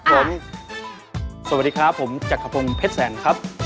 สวัสดีครับผมจักรพงศ์เพชรแสนครับ